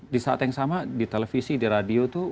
di saat yang sama di televisi di radio itu